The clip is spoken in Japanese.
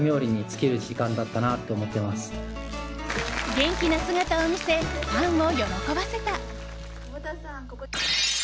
元気な姿を見せファンを喜ばせた。